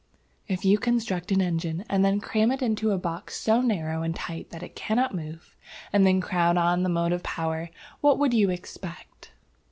"If you construct an engine, and then cram it into a box so narrow and tight that it cannot move, and then crowd on the motive power, what would you expect?